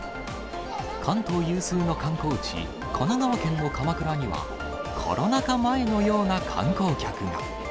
関東有数の観光地、神奈川県の鎌倉には、コロナ禍前のような観光客が。